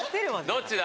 どっちだ？